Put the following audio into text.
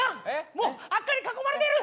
もう悪漢に囲まれてる！